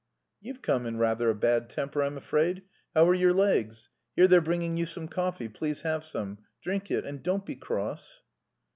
"You've come in rather a bad temper, I'm afraid; how are your legs? Here they're bringing you some coffee, please have some, drink it and don't be cross."